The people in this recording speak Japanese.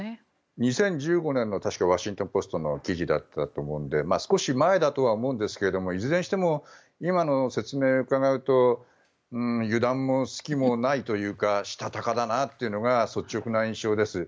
２０１５年のワシントン・ポストの記事だったと思うので少し前だとは思うんですがいずれにしても今の説明を伺うと油断も隙もないというかしたたかだなというのが率直な印象です。